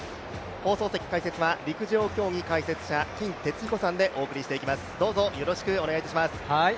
放送席解説は陸上競技解説者、金哲彦さんでお送りしていきます。